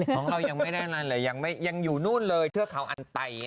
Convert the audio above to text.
ของเรายังไม่ได้อะไรเลยยังอยู่นู่นเลยเทือกเขาอันไต